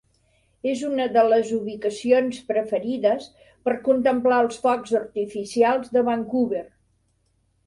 És una de les ubicacions preferides per contemplar els focs artificials de Vancouver.